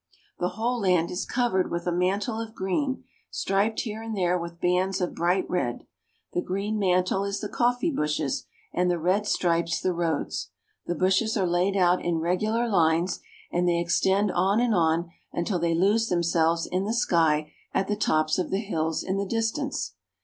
The whole land is covered with a mantle of green, striped here and there with bands of bright red. The green mantle is the coffee bushes, and the red stripes the roads. The bushes are laid out in regular Hnes, and they extend on and on until they lose themselves in the sky at the tops of the hills in the distance.